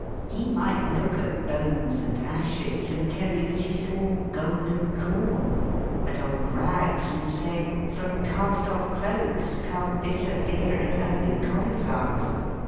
He might look at "bones and ashes" and tell you that he saw " golden corn ;" at old rags, and say, " from cast off clothes come bitter beer and early cauliflowers."